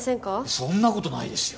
そんなことないですよ